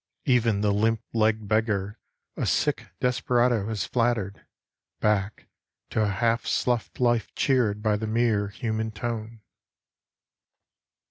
Even the limp legged beggar a sick desperado has flattered Back to a half sloughed life cheered by the mere human tone.